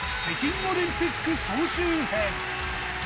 北京オリンピック総集編。